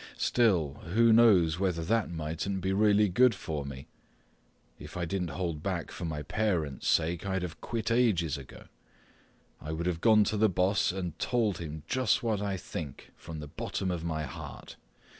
Still, who knows whether that mightn't be really good for me? If I didn't hold back for my parents' sake, I'd have quit ages ago. I would've gone to the boss and told him just what I think from the bottom of my heart.